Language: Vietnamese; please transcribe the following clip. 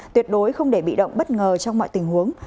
tuyệt đối không để bị động bất ngờ trong mọi tình huống